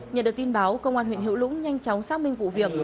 nhận được tin báo công an huyện hữu lũng nhanh chóng xác minh vụ việc